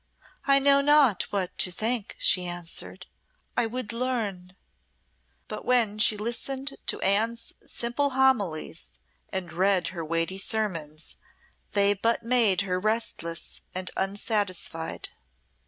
"I know not what to think," she answered. "I would learn." But when she listened to Anne's simple homilies, and read her weighty sermons, they but made her restless and unsatisfied.